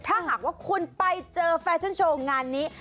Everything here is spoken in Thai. ถ้าหากว่าคุณไปเจอแฟชั่นโชว์งานนี้